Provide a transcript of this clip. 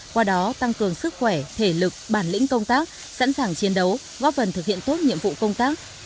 qua đó tăng cường sức khỏe thể lực bản lĩnh công tác sẵn sàng chiến đấu góp phần thực hiện tốt nhiệm vụ công tác